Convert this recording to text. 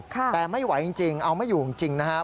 แต่ไม่ไหวจริงเอาไม่อยู่จริงนะครับ